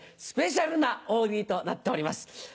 スペシャルな大喜利となっております。